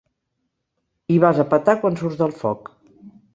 Hi vas a petar quan surts del foc.